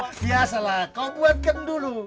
luak biasa lah kau buatkan dulu